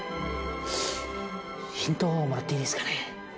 ヒントもらっていいですかね。